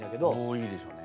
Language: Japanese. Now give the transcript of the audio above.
多いでしょうね。